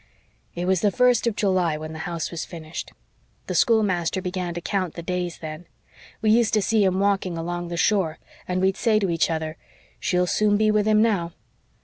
"It was the first of July when the house was finished. The schoolmaster began to count the days then. We used to see him walking along the shore, and we'd say to each other, 'She'll soon be with him now.'